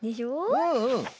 うんうん。